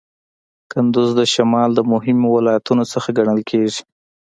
کندز د شمال د مهمو ولایتونو څخه ګڼل کیږي.